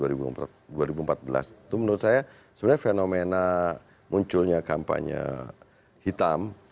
itu menurut saya sebenarnya fenomena munculnya kampanye hitam